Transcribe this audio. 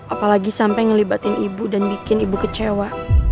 apalagi sampai ngelibatin ibu dan bikin ibu kecewa